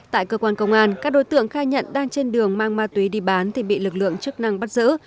tại cơ quan công an các đối tượng khai nhận đang trên đường mang ma túy đi bán thì bị lực lượng chức năng bắt giữ